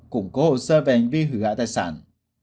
cũng có hồ sơ về hành vi hủy hoại tài sản